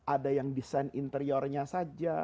ada yang desain interiornya saja